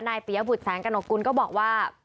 นายเปียบุฎแสงกะโนกุลก็บอกว่า